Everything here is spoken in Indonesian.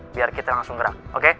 biar kita langsung gerak